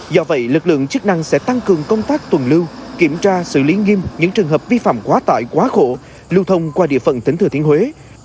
do vậy lực lượng chức năng sẽ tăng cường công tác tuần lưu kiểm tra xử lý nghiêm những trường hợp vi phạm quá tải quá khổ lưu thông qua địa phận tỉnh thừa thiên huế